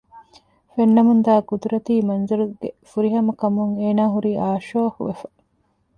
ފެންނަމުންދާ ޤުދުރަތީ މަންޒަރުގެ ފުރިހަމަކަމުން އޭނާ ހުރީ އާޝޯހުވެފަ